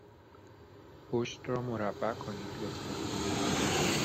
پشت را مربع کنید، لطفا.